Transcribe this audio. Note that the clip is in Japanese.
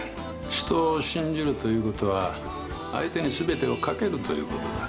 人を信じるということは相手に全てをかけるということだ。